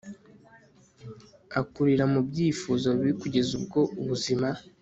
akurira mu byifuzo bibi kugeza ubwo ubuzima